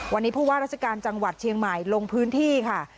วันนี้ผู้ว่าราชการจังหวัดเชียงใหม่ลงพื้นที่ค่ะ